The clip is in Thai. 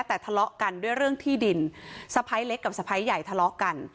แต่ทะเลาะกันด้วยเรื่องที่ดินสะพ้ายเล็กกับสะพ้ายใหญ่ทะเลาะกัน